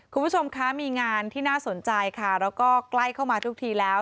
คุณผู้ชมคะมีงานที่น่าสนใจค่ะแล้วก็ใกล้เข้ามาทุกทีแล้ว